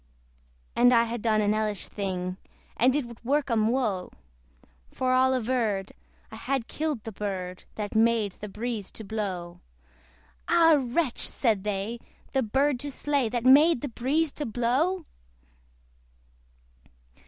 And I had done an hellish thing, And it would work 'em woe: For all averred, I had killed the bird That made the breeze to blow. Ah wretch! said they, the bird to slay That made the breeze to blow!